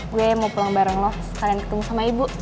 gue mau pulang bareng lo sekalian ketemu sama ibu